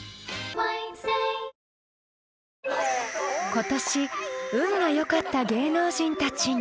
［今年運がよかった芸能人たちに］